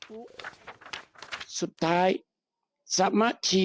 ก็เป็นเรื่องของความศรัทธาเป็นการสร้างขวัญและกำลังใจ